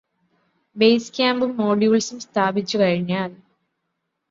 base ക്യാമ്പും മോഡ്യൂള്സും സ്ഥാപിച്ചുകഴിഞ്ഞാല്